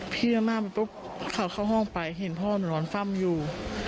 เดินหน้าไปปุ๊บเขาเข้าห้องไปเห็นพ่อหนูนอนฟ่ำอยู่